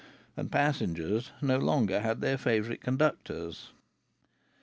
And passengers no longer had their favourite conductors.